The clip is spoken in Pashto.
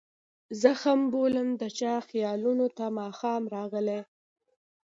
زخم بلوم د چا خیالونو ته ماښام راغلي